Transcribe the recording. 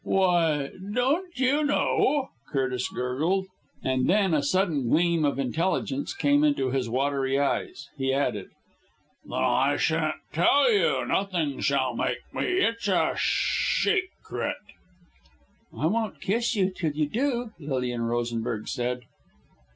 "Why don't you know!" Curtis gurgled and then a sudden gleam of intelligence coming into his watery eyes, he added. "Then I shan't tell you nothing shall make me. It's a shecret!" "I won't kiss you till you do!" Lilian Rosenberg said.